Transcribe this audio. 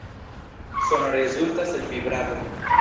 Sono rezultas el vibrado.